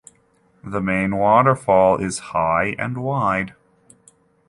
The main waterfall is high and wide.